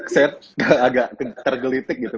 saya agak tergelitik gitu